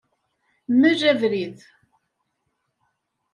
Mel abrid.